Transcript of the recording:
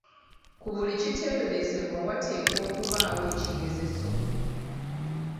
Ku buli kiteeberezebwa wateekwa okubaawo ekigezeso.